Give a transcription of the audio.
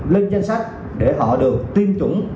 lên danh sách để họ được tiêm chủng